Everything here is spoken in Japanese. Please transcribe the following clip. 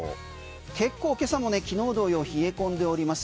結構、今朝も昨日同様冷え込んでおります。